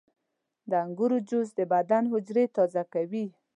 • د انګورو جوس د بدن حجرې تازه کوي.